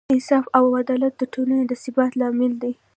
انصاف او عدالت د ټولنې د ثبات لامل دی.